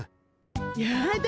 やだ